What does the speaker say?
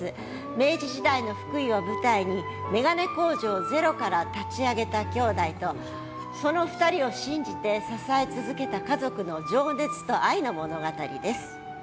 明治時代の福井を舞台に眼鏡工場をゼロから立ち上げた兄弟とその２人を信じて支え続けた家族の情熱と愛の物語です。